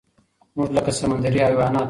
مونږ لکه سمندري حيوانات